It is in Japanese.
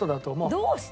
どうして？